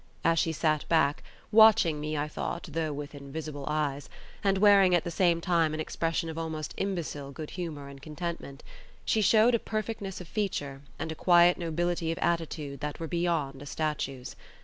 As she sat back—watching me, I thought, though with invisible eyes—and wearing at the same time an expression of almost imbecile good humour and contentment, she showed a perfectness of feature and a quiet nobility of attitude that were beyond a statue's.